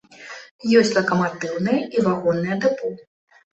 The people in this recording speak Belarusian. Ёсць лакаматыўнае і вагоннае дэпо.